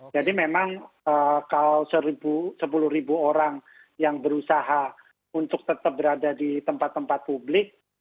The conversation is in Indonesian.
jadi memang kalau sepuluh ribu orang yang berusaha untuk tetap berada di tempat tempat publik